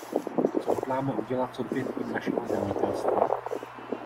Co hodláme udělat s odvětvím našeho zemědělství?